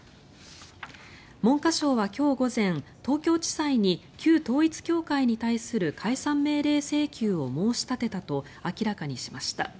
文科省は今日午前、東京地裁に旧統一教会に対する解散命令請求を申し立てたと明らかにしました。